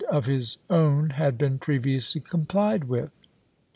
of his own had been previously complied with.